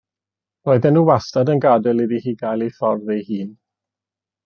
Roedden nhw wastad yn gadael iddi hi gael ei ffordd ei hun.